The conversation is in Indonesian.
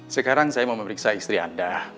sekarang saya mau memeriksa istri anda